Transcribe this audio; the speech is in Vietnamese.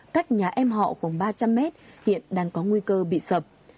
cách nhà em họ khoảng ba trăm linh mét hiện đang có nguy cơ bị sập